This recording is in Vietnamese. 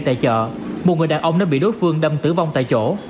tại chợ một người đàn ông đã bị đối phương đâm tử vong tại chỗ